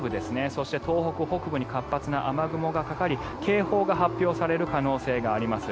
そして東北北部に活発な雨雲がかかり警報が発表される可能性があります。